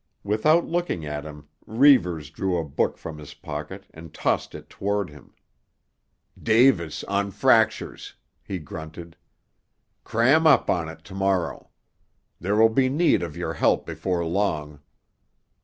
Without looking at him Reivers drew a book from his pocket and tossed it toward him. "'Davis on Fractures'," he grunted. "Cram up on it to morrow. There will be need of your help before long.